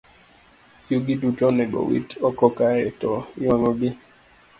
Yugi duto onego owit oko kae to iwang'ogi.